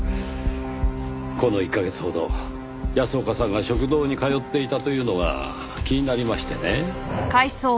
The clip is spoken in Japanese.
この１カ月ほど安岡さんが食堂に通っていたというのが気になりましてね。